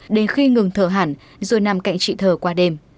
đến khi ngừng thở hẳn rồi nằm cạnh chị thờ qua đêm